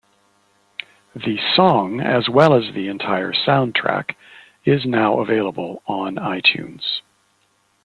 The song, as well as the entire soundtrack is now available on iTunes.